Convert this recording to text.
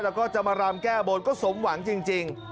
แล้วก็จะมารำแก้บนก็สมหวังจริง